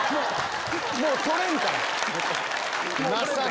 もう捕れんから。